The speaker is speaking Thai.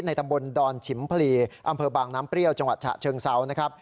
ตำบลดอนฉิมพลีอำเภอบางน้ำเปรี้ยวจังหวัดฉะเชิงเซานะครับ